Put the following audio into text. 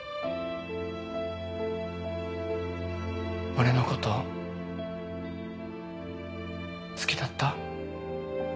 俺のこと好きだった？